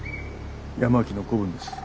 八巻の子分です。